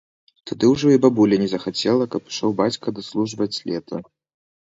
Тады ўжо і бабуля не захацела, каб ішоў бацька даслужваць лета.